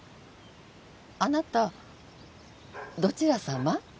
あなたどちらさま？